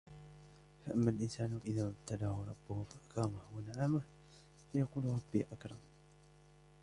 فأما الإنسان إذا ما ابتلاه ربه فأكرمه ونعمه فيقول ربي أكرمن